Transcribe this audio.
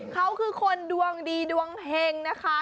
เขาคือคนดวงดีดวงเห็งนะคะ